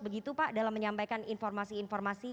begitu pak dalam menyampaikan informasi informasi